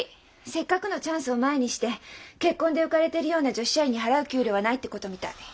せっかくのチャンスを前にして結婚で浮かれてるような女子社員に払う給料はないってことみたい。